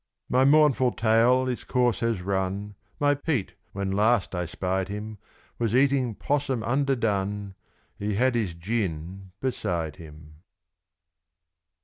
My mournful tale its course has run My Pete, when last I spied him, Was eating 'possum underdone: He had his gin beside him.